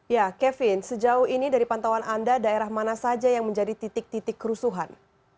ya kevin sejauh ini dari pantauan anda daerah mana saja yang menjadi titik titik kerusuhan